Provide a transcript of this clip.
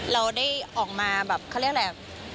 เราได้ออกมาแบบเขาเรียกอะไร